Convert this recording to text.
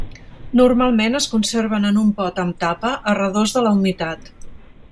Normalment es conserven en un pot amb tapa, a redós de la humitat.